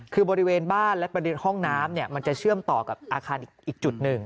คือบริเวณบ้านและประเด็นห้องน้ำมันจะเชื่อมต่อกับอาคารอีกจุดหนึ่ง